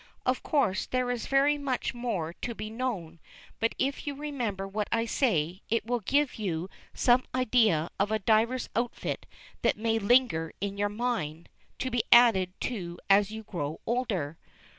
Of course, there is very much more to be known, but if you remember what I say, it will give you some idea of a diver's outfit that may linger in your mind, to be added to as you grow older.